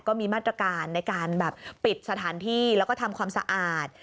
ก็มีมาตรการในการแบบปิดสถานที่แล้วก็ทำความสะอาด